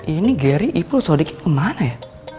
ini gary ipul sode kim kemana ya